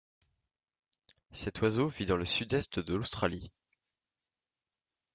Cet oiseau vit dans le sud-est de l'Australie.